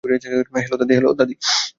Hello, দাদি।